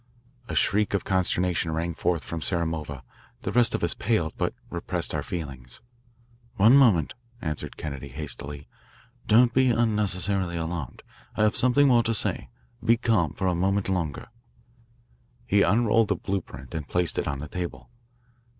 A shriek of consternation rang forth from Samarova. The rest of us paled, but repressed our feelings. One moment," added Kennedy hastily. "Don't be unnecessarily alarmed. I have something more to say. Be calm for a moment longer." He unrolled a blue print and placed it on the table.